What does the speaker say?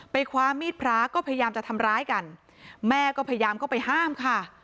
คว้ามีดพระก็พยายามจะทำร้ายกันแม่ก็พยายามเข้าไปห้ามค่ะ